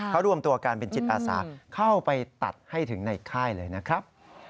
เขารวมตัวกันเป็นจิตอาสาเข้าไปตัดให้ถึงในค่ายเลยนะครับ